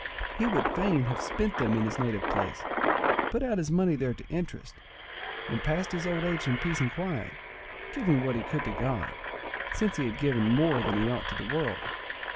He would fain have spent them in his native place, put out his money there to interest, and passed his old age in peace and quiet, giving what he could to God, since he had given more than he ought to the world.